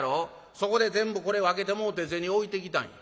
そこで全部これ分けてもうて銭置いてきたんや。